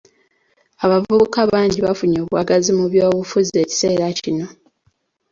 Abavubuka bangi bafunye obwagazi mu by'obufuzi ekiseera kino.